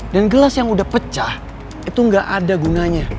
dan gelas yang udah pecah itu gak ada gunanya